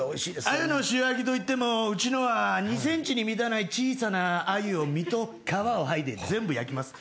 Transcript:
アユの塩焼きといってもうちのは２ｃｍに満たない小さなアユを身と皮をはいで全部焼きます。